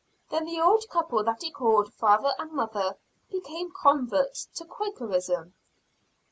Then the old couple that he called Father and Mother became converts to Quakerism.